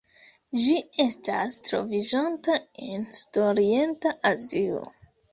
Ĝi estas troviĝanta en Sudorienta Azio.